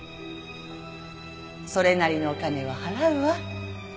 それなりのお金は払うわ。